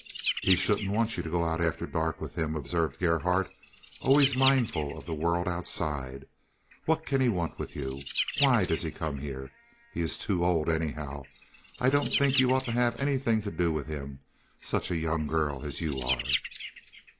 "He shouldn't want you to go out after dark with him," observed Gerhardt, always mindful of the world outside. "What can he want with you. Why does he come here? He is too old, anyhow. I don't think you ought to have anything to do with him—such a young girl as you are."